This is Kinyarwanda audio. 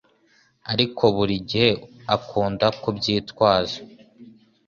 Ariko burigihe akunda kubyitwaza